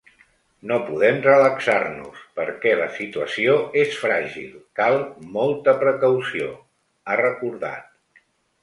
No podem relaxar-nos, perquè la situació és fràgil, cal molta precaució, ha recordat.